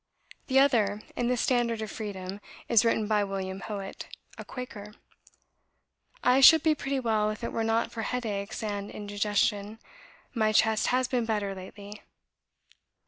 The other, in the Standard of Freedom, is written by William Howitt, a Quaker! ... I should be pretty well, if it were not for headaches and indigestion. My chest has been better lately."